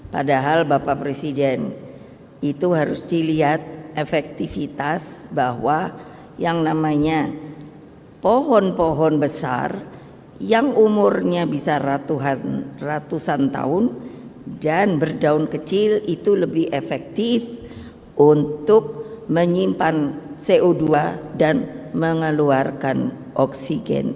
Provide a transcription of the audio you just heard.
padahal bapak presiden itu harus dilihat efektivitas bahwa yang namanya pohon pohon besar yang umurnya bisa ratusan tahun dan berdaun kecil itu lebih efektif untuk menyimpan co dua dan mengeluarkan oksigen